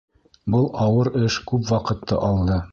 Был ауыр эш күп ваҡытты алды.